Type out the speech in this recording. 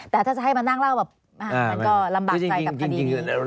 แต่ถ้าจะให้มานั่งเล่าแบบมันก็ลำบากใจกับคดีนี้